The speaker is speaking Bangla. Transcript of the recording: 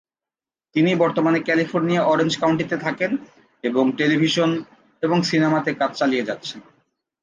তিনি বর্তমানে ক্যালিফোর্নিয়া অরেঞ্জ কাউন্টিতে থাকেন এবং টেলিভিশন এবং সিনেমাতে কাজ চালিয়ে যাচ্ছেন।